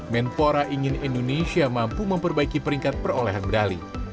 menpora ingin indonesia mampu memperbaiki peringkat perolehan medali